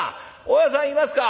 大家さんいますか」。